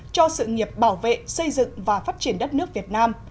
cho sự nghiệp bảo vệ xây dựng và phát triển đất nước việt nam